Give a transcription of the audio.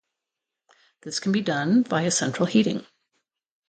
This can be done via central heating.